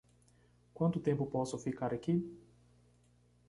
Quanto tempo posso ficar aqui?